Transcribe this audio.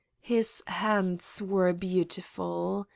His hands were beautiful.